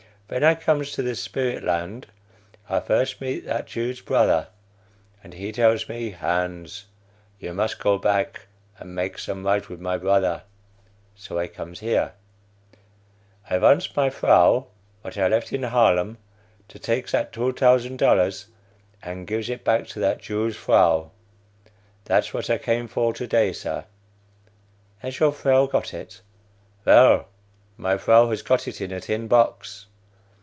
Ven I comes to the spirit land, I first meet that Jew's brother, and he tells me, 'Hans, you mus go back and makes some right with my brother.' So I comes here. "I vants my vrow, what I left in Harlem, to takes that two tousand dollars and gives it back to that Jew's vrow. That's what I came for to day, Sir. (Has your vrow got it?) Vell, my vrow has got it in a tin box.